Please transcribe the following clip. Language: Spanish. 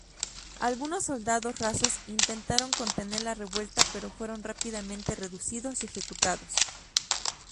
Algunos soldados rasos intentaron contener la revuelta pero fueron rápidamente reducidos y ejecutados.